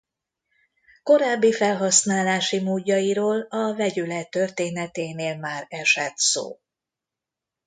Korábbi felhasználási módjairól a vegyület történeténél már esett szó.